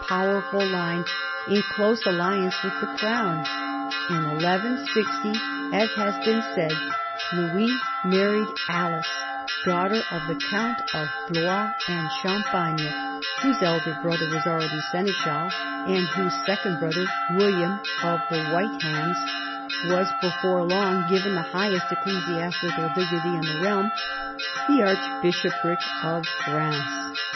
powerful line in close alliance with the crown. In 1160, as has been said, Louis married Alice, daughter of the count of Blois and Champagne, whose elder brother was already seneschal, and whose second brother, William of the White Hands, was before long given the highest ecclesiastical dignity in the realm — the archbishopric of Rheims.